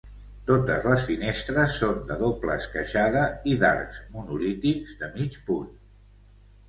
Totes les finestres són de doble esqueixada i d'arcs monolítics de mig punt.